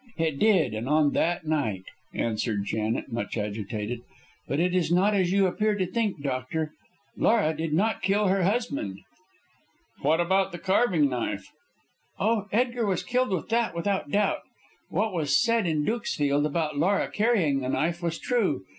"It did, and on that night," answered Janet, much agitated. "But it is not as you appear to think, doctor. Laura did not kill her husband." "What about the carving knife?" "Oh, Edgar was killed with that, without doubt. What was said in Dukesfield about Laura carrying the knife was true.